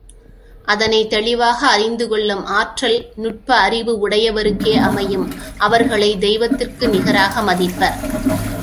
அதனைத் தெளிவாக அறிந்துகொள்ளும் ஆற்றல் நுட்ப அறிவு உடையவர்க்கே அமையும் அவர்களைத் தெய்வத்துக்கு நிகராக மதிப்பர்.